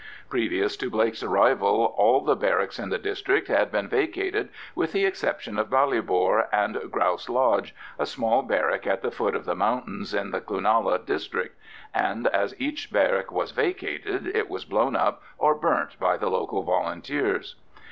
Previous to Blake's arrival all the barracks in the district had been vacated with the exception of Ballybor and "Grouse Lodge," a small barrack at the foot of the mountains in the Cloonalla district; and as each barrack was vacated, it was blown up or burnt by the local Volunteers.